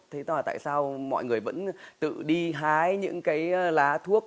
thế là tại sao mọi người vẫn tự đi hái những cái lá thuốc